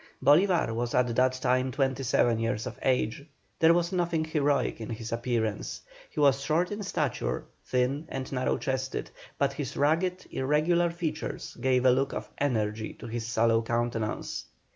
Bolívar was at that time twenty seven years of age. There was nothing heroic in his appearance; he was short in stature, thin and narrow chested, but his rugged, irregular features, gave a look of energy to his sallow countenance.